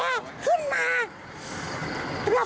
อืมตอนนั้นทำอะไรอยู่